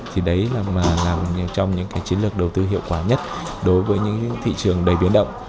thì đấy là mà làm trong những cái chiến lược đầu tư hiệu quả nhất đối với những thị trường đầy biến động